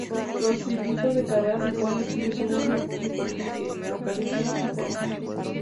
Los circuitos de carreras se pueden distinguir según su superficie, localización y forma.